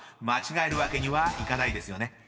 ［間違えるわけにはいかないですよね］